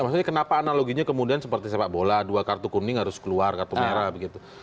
maksudnya kenapa analoginya kemudian seperti sepak bola dua kartu kuning harus keluar kartu merah begitu